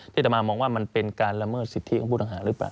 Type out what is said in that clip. ที่ผ่านมามองว่ามันเป็นการละเมิดสิทธิของผู้ต้องหาหรือเปล่า